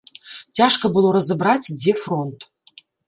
Цяжка было разабраць, дзе фронт.